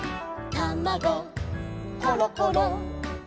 「たまごころころ」